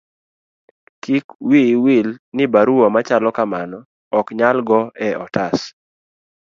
kik wiyi wil ni barua machalo kamano ok nyal go e otas